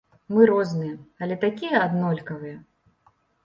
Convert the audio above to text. Мы розныя, але такія аднолькавыя.